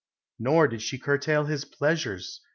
Nor did she curtail his pleasures.